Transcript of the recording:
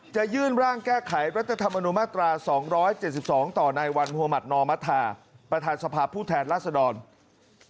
จะยื่นร่างแก้ไขรัฐธรรมนุมาตรา๒๗๒ต่อในวันโฮมัธนอมธาประธานสภาพผู้แทนราษดร